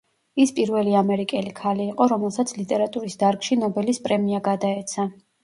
ის პირველი ამერიკელი ქალი იყო, რომელსაც ლიტერატურის დარგში ნობელის პრემია გადაეცა.